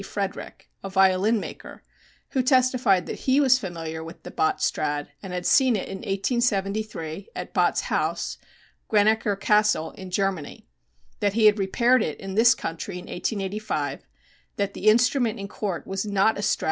Frederick, a violin maker, who testified that he was familiar with the Bott Strad. and had seen it in 1873 at Bott's house, Grenecher Castle, in Germany; that he had repaired it in this country in 1885; that the instrument in court was not a Strad.